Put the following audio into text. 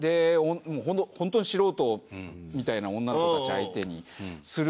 ホントに素人みたいな女の子たち相手にするからもう。